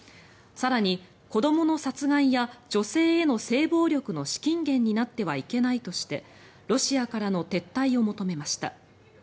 更に、子どもの殺害や女性への性暴力の資金源になってはいけないとしてロシアからの撤退を求めました。